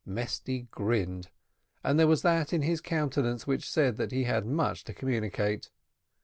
Mesty grinned, and there was that in his countenance which said that he had much to communicate.